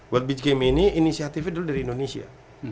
world beach game ini inisiatifnya dulu dari indonesia